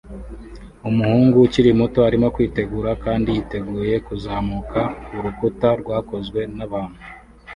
Umuhungu ukiri muto arimo kwitegura kandi yiteguye kuzamuka kurukuta rwakozwe n'abantu